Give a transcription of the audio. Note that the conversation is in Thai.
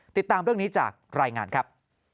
ติดตามเรื่องนี้จากรายงานครับ